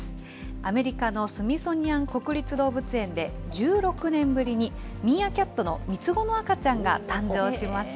アメリカのスミソニアン国立動物園で、１６年ぶりにミーアキャットの３つ子の赤ちゃんが誕生しました。